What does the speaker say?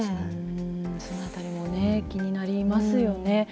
そのあたりもね、気になりますよね。